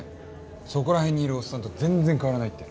そこら辺にいるおっさんと全然変わらないって。